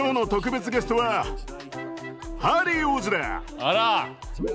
あら！